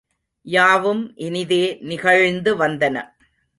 யாவும் இனிதே நிகழ்ந்து வந்தன.